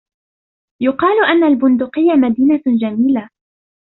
يُقال أن البندقيّة مدينة جميلة.